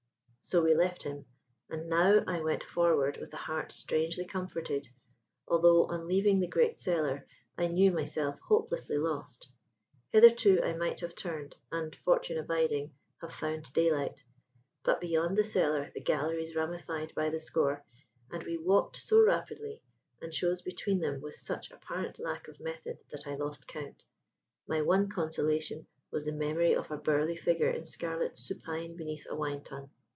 So we left him, and now I went forward with a heart strangely comforted, although on leaving the great cellar I knew myself hopelessly lost. Hitherto I might have turned, and, fortune aiding, have found daylight: but beyond the cellar the galleries ramified by the score, and we walked so rapidly and chose between them with such apparent lack of method that I lost count. My one consolation was the memory of a burly figure in scarlet supine beneath a wine tun.